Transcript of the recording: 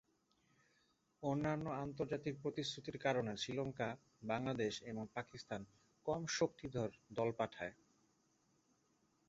অন্যান্য আন্তর্জাতিক প্রতিশ্রুতির কারণে শ্রীলঙ্কা, বাংলাদেশ এবং পাকিস্তান কম শক্তিধর দল পাঠায়।